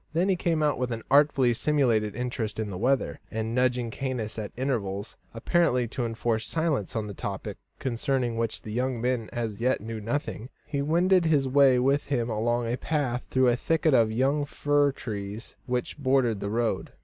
Then he came out with an artfully simulated interest in the weather, and, nudging Caius at intervals, apparently to enforce silence on a topic concerning which the young man as yet knew nothing, he wended his way with him along a path through a thicket of young fir trees which bordered the road.